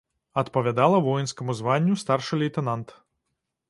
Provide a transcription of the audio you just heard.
Адпавядала воінскаму званню старшы лейтэнант.